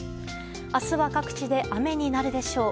明日は各地で雨になるでしょう。